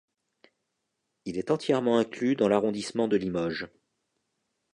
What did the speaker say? Il est entièrement inclus dans l'arrondissement de Limoges.